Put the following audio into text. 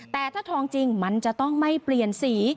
แต่ถ้าทองจริงมันจะต้องไม่เปลี่ยนสี